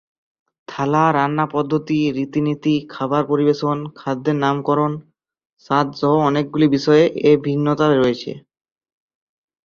থালা, রান্না পদ্ধতি, রীতি-নীতি, খাবার পরিবেশন, খাদ্যের নামকরণ, স্বাদ-সহ অনেকগুলো বিষয়ে এ ভিন্নতা রয়েছে।